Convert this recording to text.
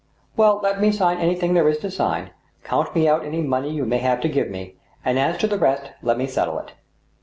" Well, let me sign anything there is to sign, count me out any money you may have to give me, and as to the rest let me settle it."